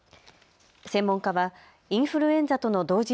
専門家はインフルエンザとの同時